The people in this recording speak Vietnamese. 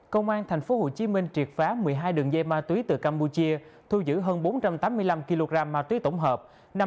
công an tp hcm triệt phá một mươi hai đường dây ma túy từ campuchia thu giữ hơn bốn trăm tám mươi năm kg ma túy tổng hợp